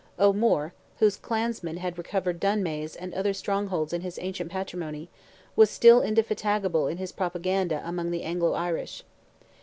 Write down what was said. O'Moore, whose clansmen had recovered Dunamase and other strongholds in his ancient patrimony, was still indefatigable in his propaganda among the Anglo Irish.